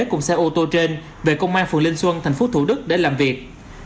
cùng xe ô tô trên về công an phường linh xuân tp thủ đức để làm việc